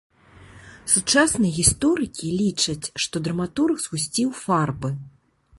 Сучасныя гісторыкі лічаць, што драматург згусціў фарбы.